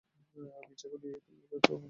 আমি ইচ্ছা করি তুমি তাঁদের খবর নিয়ে এসো।